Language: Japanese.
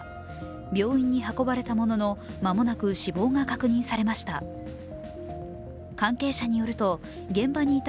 病院に運ばれたものの間もなく死亡が確認されました。